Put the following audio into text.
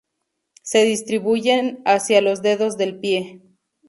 Se distribuyen hacia los dedos del pie.